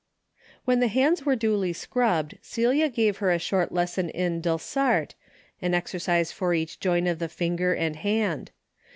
When the hands were duly scrubbed, Celia gave her a short lesson in Delsarte, an exer cise for each joint of the finger and hand.